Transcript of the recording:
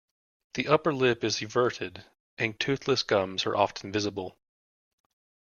The upper lip is everted and toothless gums are often visible.